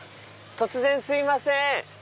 突然すみません。